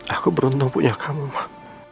aku beruntung punya kamu mak